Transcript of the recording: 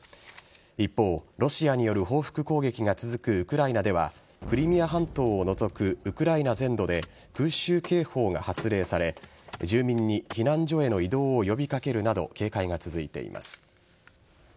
一方、ロシアによる報復攻撃が続くウクライナではクリミア半島を除くウクライナ全土で空襲警報が発令され住民に避難所への移動を呼び掛けるなど警戒が続いています。